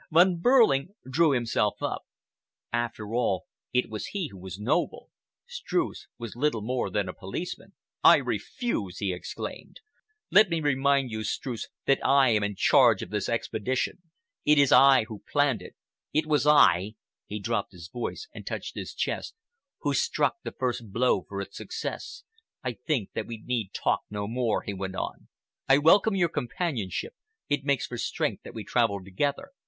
Von Behrling drew himself up. After all, it was he who was noble; Streuss was little more than a policeman. "I refuse!" he exclaimed. "Let me remind you, Streuss, that I am in charge of this expedition. It was I who planned it. It was I"—he dropped his voice and touched his chest—"who struck the first blow for its success. I think that we need talk no more," he went on. "I welcome your companionship. It makes for strength that we travel together.